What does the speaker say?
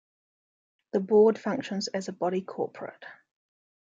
The board functions as a body corporate.